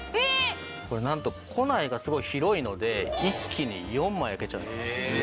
これなんと庫内がすごい広いので一気に４枚焼けちゃうんです。